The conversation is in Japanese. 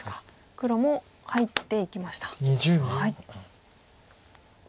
黒も入っていきました。